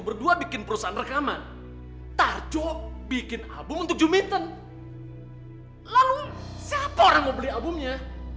berdua bikin perusahaan rekaman tarco bikin album untuk jumiten lalu siapa orang mau beli albumnya